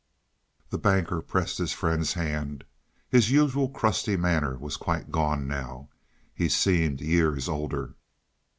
The Banker pressed his friend's hand. His usual crusty manner was quite gone now; he seemed years older.